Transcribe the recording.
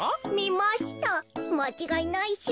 まちがいないっしゅ。